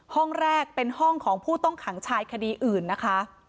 ห้องแรกเป็นห้องของผู้ต้องขังชายคดีอื่นนะคะ